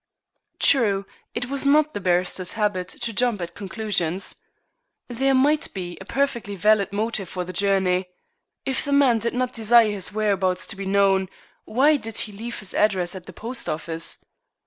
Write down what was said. True, it was not the barrister's habit to jump at conclusions. There might be a perfectly valid motive for the journey. If the man did not desire his whereabouts to be known, why did he leave his address at the post office?